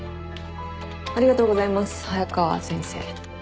ありがとうございます早川先生。